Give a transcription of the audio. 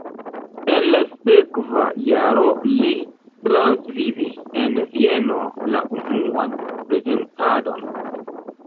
En la sekva jaro li transvivis en Vieno la unuan prezentadon.